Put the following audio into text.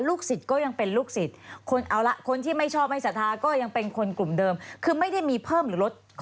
ลูกศิษย์ก็ยังเป็นลูกศิษย์คนที่ไม่ชอบไม่สะท้าก็ยังเป็นคนกลุ่มเดิม